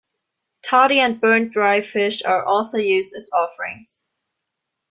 Toddy and burnt dry fish are also used as offerings.